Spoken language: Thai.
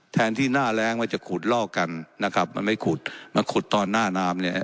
แทนที่หน้าแรงมันจะขุดลอกกันนะครับมันไม่ขุดมันขุดตอนหน้าน้ำเนี่ย